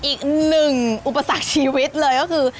อีกหนึ่งอุปสรรคชีวิตเลยก็คือ